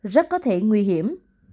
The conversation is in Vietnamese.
rất có thể nguy hiểm